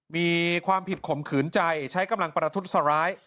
มีความผิดข่มขืนใจใช้กำลังประทุษร้าย